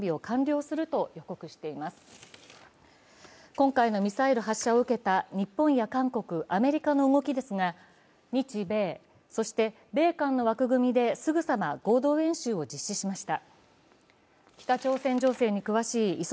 今回のミサイル発射を受けた日本や韓国、アメリカの動きですが日米、そして米韓の枠組みですぐさま合同演習を実施しました。